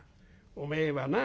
おめえはな